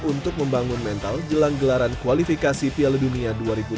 untuk membangun mental jelang gelaran kualifikasi piala dunia dua ribu dua puluh